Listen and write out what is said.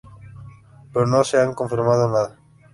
Pero no se ha confirmado nada.